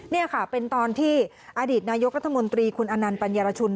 นี่ค่ะเป็นตอนที่อดีตนายกรัฐมนตรีคุณอนันต์ปัญญารชุน